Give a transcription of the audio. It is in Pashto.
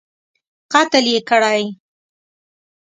قتل یې کړی.